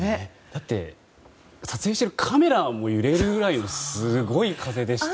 だって撮影してるカメラも揺れるくらいすごい風でしたけど。